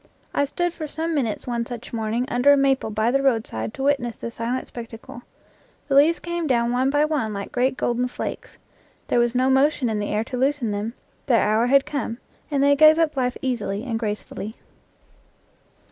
I stood for some minutes one such morning under a maple by the roadside to witness the silent spectacle. The leaves came down one by one like great golden flakes; there was no motion in the air to loosen them; their hour had come, and they gave up life easily and gracefully.